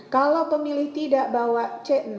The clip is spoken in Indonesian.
kalau pemilih tidak bawa c enam